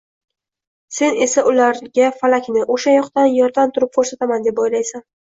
sen esa ularga Falakni — o‘sha yoqdan, yerdan turib ko‘rsataman, deb o‘ylaysan!